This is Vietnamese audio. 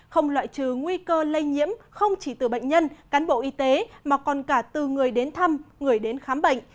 không loại trừ nguy cơ lây nhiễm không chỉ từ bệnh nhân cán bộ y tế mà còn cả từ người đến thăm người đến khám bệnh